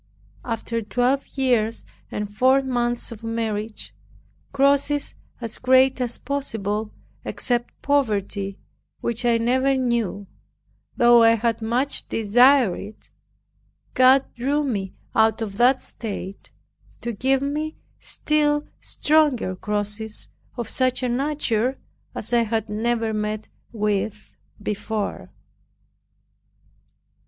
After twelve years and four months of marriage, crosses as great as possible, except poverty which I never knew, though I had much desired it, God drew me out of that state to give me still stronger crosses of such a nature as I had never met with before.